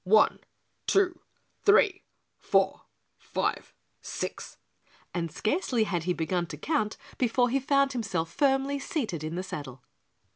"One, two, three, four, five, six " and scarcely had he begun to count before he found himself firmly seated in the saddle.